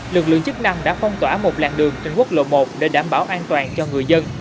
lực lượng chức năng đã phong tỏa một làng đường trên quốc lộ một để đảm bảo an toàn cho người dân